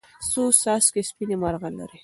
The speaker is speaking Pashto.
څو څاڅکي سپینې، مرغلرې